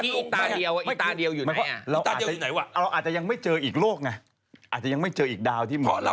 เราอาจจะยังไม่เจออีกโลกไงอาจจะยังไม่เจออีกดาวที่เหมาะกับเรา